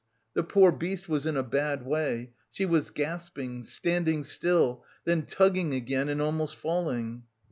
The poor beast was in a bad way. She was gasping, standing still, then tugging again and almost falling.